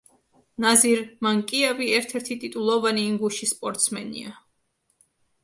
ნაზირ მანკიევი ერთ-ერთი ტიტულოვანი ინგუში სპორტსმენია.